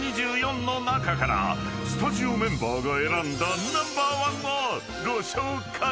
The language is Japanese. ［スタジオメンバーが選んだナンバーワンをご紹介！］